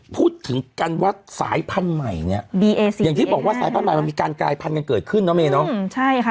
พูดถึงกันว่าสายพันธุ์ใหม่เนี่ยอย่างที่บอกว่าสายพันธุ์ใหม่มันมีการกลายพันธุ์เกิดขึ้นนะเมย์เนาะ